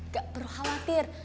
gak perlu khawatir